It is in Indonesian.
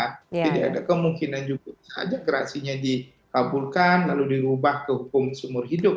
tidak ada kemungkinan juga saja gerasinya dikabulkan lalu dirubah ke hukum seumur hidup